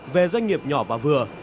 về doanh nghiệp nhỏ và vừa